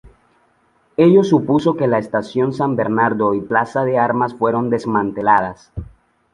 Ello supuso que las Estaciones San Bernardo y Plaza de Armas fueran desmanteladas.